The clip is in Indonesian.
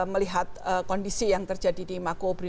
melihat kondisi yang terjadi di makobri